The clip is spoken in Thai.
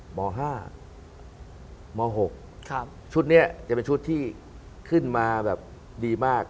หมอห้าหมอหกครับชุดเนี้ยจะเป็นชุดที่ขึ้นมาแบบดีมาก